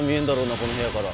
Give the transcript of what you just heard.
この部屋から。